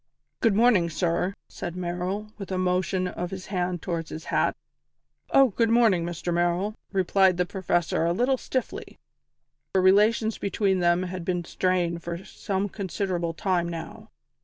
"Good morning, sir," said Merrill, with a motion of his hand towards his hat. "Oh, good morning, Mr Merrill," replied the Professor a little stiffly, for relations between them had been strained for some considerable time now.